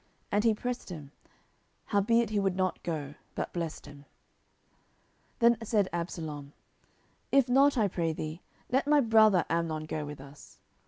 And he pressed him: howbeit he would not go, but blessed him. 10:013:026 Then said Absalom, If not, I pray thee, let my brother Amnon go with us.